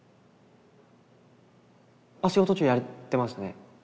お仕事中やってましたね。